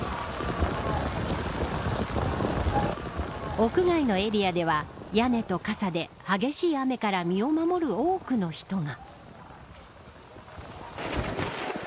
屋外のエリアでは屋根と傘で激しい雨から身を守る多くの人が。